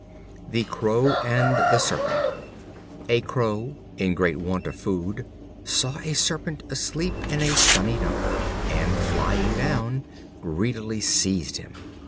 The Crow and the Serpent. A Crow, in great want of food, saw a Serpent asleep in a sunny nook, and flying down, greedily seized him.